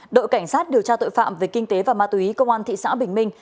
đội cảnh sát điều tra tội phạm về kinh tế và ma túy công an thị xã bình minh